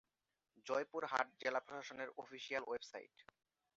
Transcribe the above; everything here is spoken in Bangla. জয়পুরহাট জেলা প্রশাসনের অফিসিয়াল ওয়েবসাইট